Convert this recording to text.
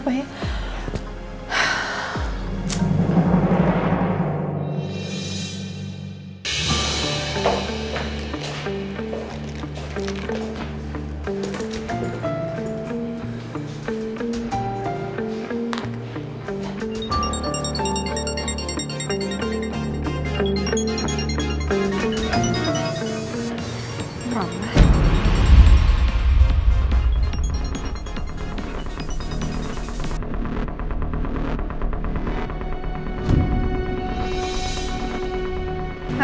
demi baju benerin sindangnyai